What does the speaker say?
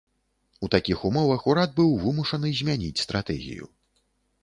У такіх умовах урад быў вымушаны змяніць стратэгію.